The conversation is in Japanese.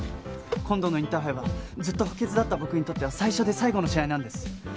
今度のインターハイはずっと補欠だった僕にとっては最初で最後の試合なんです。